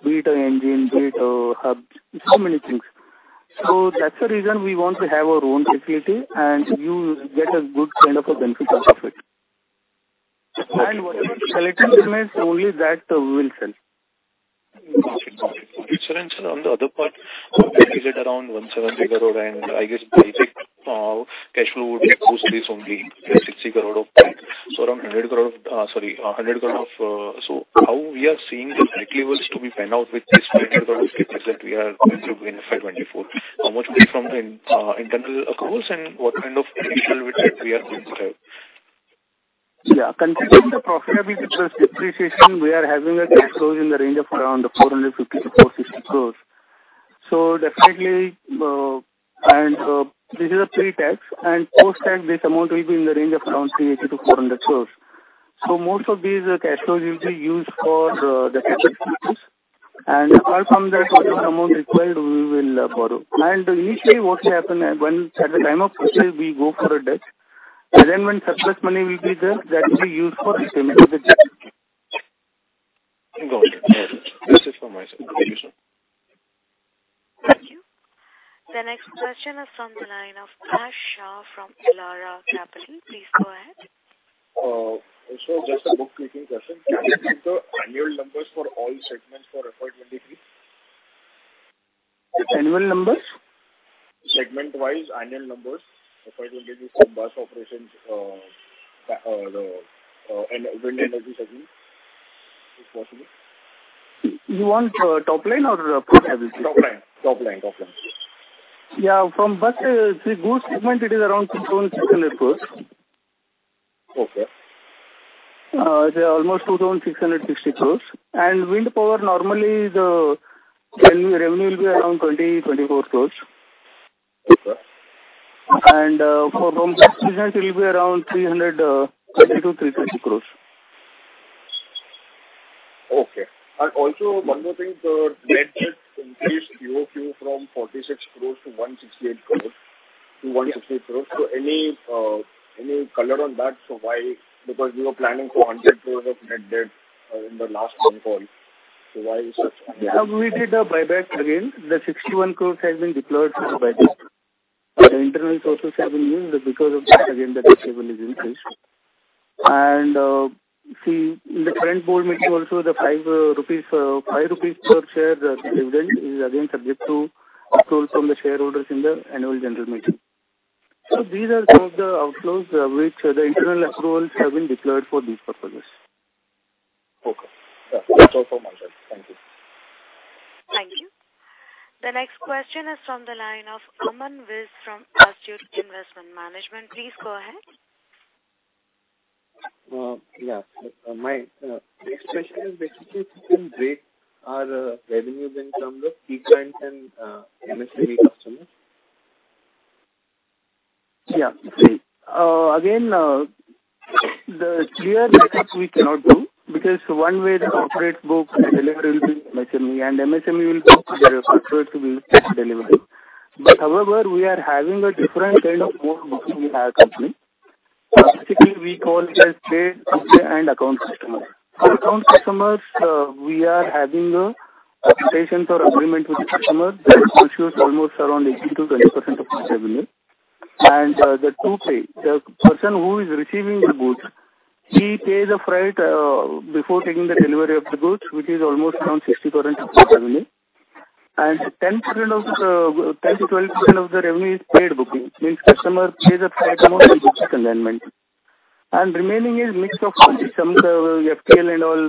be it an engine, be it a hub, so many things. So that's the reason we want to have our own facility and get a good kind of benefit out of it. And what we are selecting from is only that we will sell. Got it. Got it. Got it. Sir, and sir, on the other part, is it around 170 crore? And I guess the big cash flow would be mostly only 60 crore of bank. So around 100 crore of sorry, 100 crore of so how we are seeing the net levels to be pan out with this 100 crore of CapEx that we are going to benefit 2024? How much will be from the internal accruals and what kind of additional we are going to have? Yeah. Considering the profitability plus depreciation, we are having a cash flow in the range of around 450 crore-460 crore. So definitely, and this is a pre-tax. And post-tax, this amount will be in the range of around 380 crore-400 crore. So most of these cash flows will be used for the CapEx. And apart from that, whatever amount required, we will borrow. And initially, what will happen at the time of purchase, we go for a debt. And then when surplus money will be there, that will be used for the debt. Got it. Got it. This is for my contribution. Thank you. The next question is from the line of Ankita Shah from Elara Capital. Please go ahead. Sir, just a bookkeeping question. Can you give the annual numbers for all segments for FY 2023? Annual numbers? Segment-wise, annual numbers, FY 2023 for bus operations and wind energy segments, if possible. You want top line or profitability? Top line. Top line. Top line. Yeah. From bus, see, goods segment, it is around 2,600 crores. It's almost 2,660 crores. And wind power, normally, the revenue will be around 20-24 crores. And from bus business, it will be around 320-330 crores. Okay. And also, one more thing, the net debt increased QoQ from 46 crores to 168 crores. So any color on that? Because we were planning for 100 crores of net debt in the last phone call. So why is such a? Yeah. We did a buyback again. The 61 crore has been deployed for the buyback. The internal sources have been used because of that, again, that disbursement is increased. And see, in the current board meeting also, the 5 rupees per share dividend is, again, subject to approval from the shareholders in the annual general meeting. So these are some of the outflows which the internal accruals have been deployed for these purposes. Okay. Yeah. That's all for my side. Thank you. Thank you. The next question is from the line of Aman Vij from Astute Investment Management. Please go ahead. Yeah. My next question is basically if we can break our revenue bin from the key clients and MSME customers? Yeah. See, again, the clear breakup we cannot do because one way the corporate book and delivery will be MSME and MSME will be corporate will take delivery. But however, we are having a different kind of mode within our company. Basically, we call it as trade and account customers. For account customers, we are having a payment or agreement with the customer that consumes almost around 80%-20% of the revenue. And the person who is receiving the goods, he pays a freight before taking the delivery of the goods, which is almost around 60% of the revenue. And 10%-12% of the revenue is paid booking. Means customer pays a freight amount and books the consignment. And remaining is mix of some FTL and all.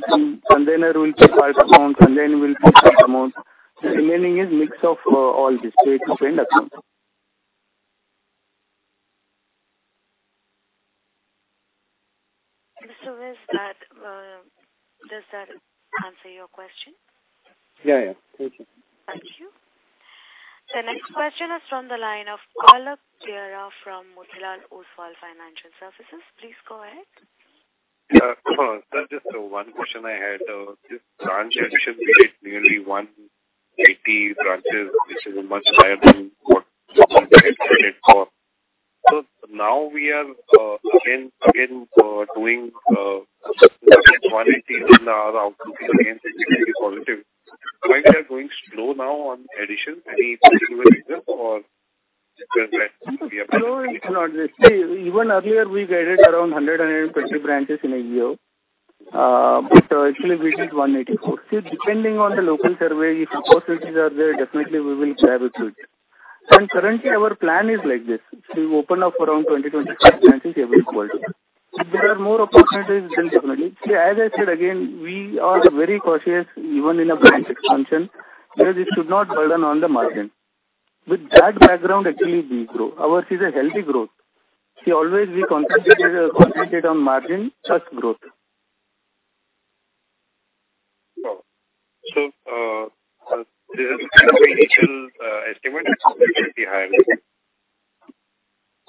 Container will pay part amount. Container will pay part amount. The remaining is a mix of all this: To Pay and account. Mr. Vij, does that answer your question? Yeah. Yeah. Thank you. Thank you. The next question is from the line of Karan Kawa from Motilal Oswal Financial Services. Please go ahead. Hold on. That's just one question I had. This branch addition, we did nearly 180 branches, which is much higher than what we had expected for. So now we are, again, doing 180 in our output again, which is very positive. Why we are going slow now on addition? Any particular reason or where we are? No, it's not. See, even earlier, we added around 100-120 branches in a year. But actually, we did 184. See, depending on the local survey, if opportunities are there, definitely, we will grab a few. And currently, our plan is like this. We open up around 20-25 branches every quarter. If there are more opportunities, then definitely. See, as I said, again, we are very cautious even in a branch expansion because it should not burden on the margin. With that background, actually, we grow. Ours is a healthy growth. See, always, we concentrate on margin plus growth. So there is kind of an initial estimate higher?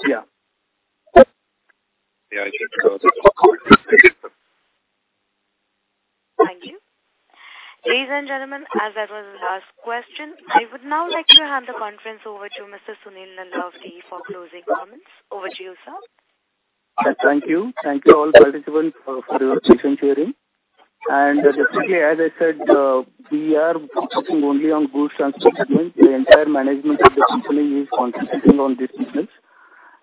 Yeah. Yeah. I think so. Thank you. Ladies and gentlemen, as that was the last question, I would now like to hand the conference over to Mr. Sunil Nalavadi of VRL Logistics Limited for closing comments. Over to you, sir. Thank you. Thank you, all participants, for your session sharing. Definitely, as I said, we are focusing only on goods transport segment. The entire management of the company is concentrating on these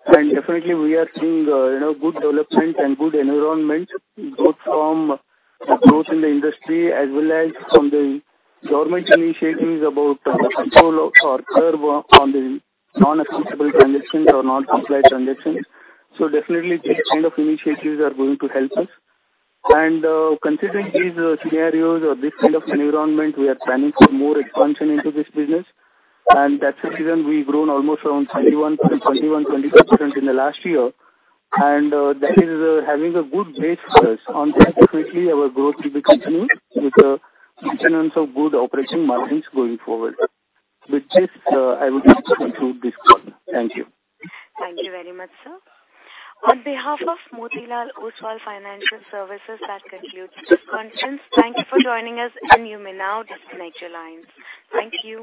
businesses. Definitely, we are seeing good development and good environment, both from the growth in the industry as well as from the government initiatives about control or curb on the non-acceptable transactions or non-supply transactions. Definitely, these kind of initiatives are going to help us. Considering these scenarios or this kind of environment, we are planning for more expansion into this business. That's the reason we've grown almost around 21%-22% in the last year. That is having a good base for us. On that, definitely, our growth will be continued with the maintenance of good operating margins going forward. With this, I would like to conclude this call. Thank you. Thank you very much, sir. On behalf of Motilal Oswal Financial Services, that concludes this conference. Thank you for joining us. You may now disconnect your lines. Thank you.